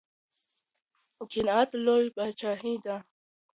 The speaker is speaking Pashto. قناعت لويه پاچاهي ده.